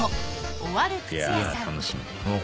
［「終わる靴屋さん」］